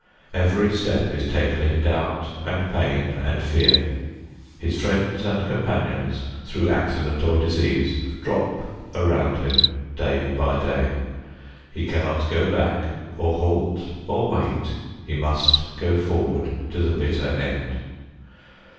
Every step is taken in doubt and pain and fear. His friends and companions, through accident or disease, drop around him day by day. He cannot go back or halt or wait. He must go forward to the bitter end.